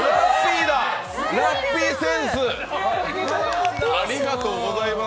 ラッピー扇子、ありがとうございます。